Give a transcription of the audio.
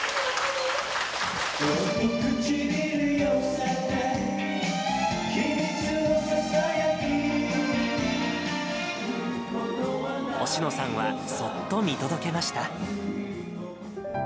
おしのさんはそっと見届けました。